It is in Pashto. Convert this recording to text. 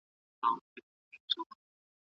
د ارغنداب سیند د کندهار د کلتور یوه برخه ده.